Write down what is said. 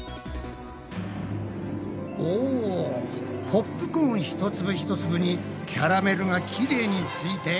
おポップコーン一粒一粒にキャラメルがきれいについて。